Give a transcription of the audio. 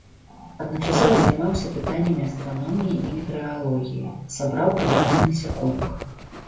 Адначасова займаўся пытаннямі астраноміі і метэаралогіі, сабраў калекцыю насякомых.